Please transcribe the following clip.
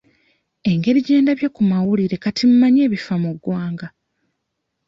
Engeri gye ndabye ku mawulire kati mmanyi ebifa mu ggwanga.